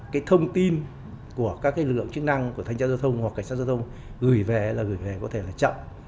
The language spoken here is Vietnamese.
cái thông tin của các lực lượng chức năng của thanh tra giao thông hoặc cảnh sát giao thông gửi về là gửi về có thể là chậm